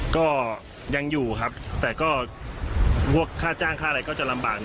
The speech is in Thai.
ก็ยังอยู่ครับแต่ก็พวกค่าจ้างค่าอะไรก็จะลำบาก